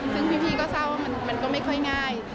ซึ่งพี่ก็เศร้ามันก็ไม่ค่อยง่าย